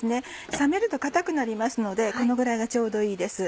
冷めると固くなりますのでこのぐらいがちょうどいいです。